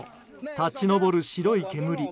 立ち上る白い煙。